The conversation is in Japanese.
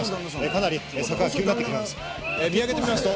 かなり坂が急になってきました。